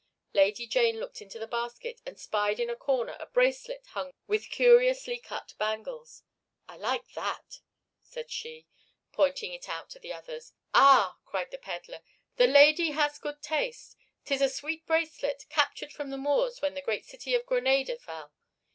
Lady Jane looked into the basket and spied in a corner a bracelet hung with curiously cut bangles. "I like that," said she, pointing it out to the others. "Ah!" cried the pedler. "The lady has good taste! 'Tis a sweet bracelet, captured from the Moors when the great city of Granada fell.